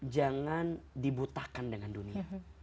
jangan dibutahkan dengan dunia